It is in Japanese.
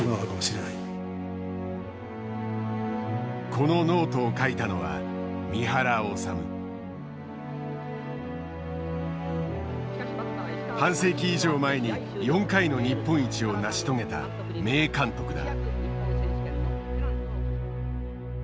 このノートを書いたのは半世紀以上前に４回の日本一を成し遂げた名監督だ。